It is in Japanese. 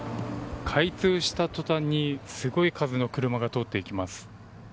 開通した途端にすごい数の車が通っていきます。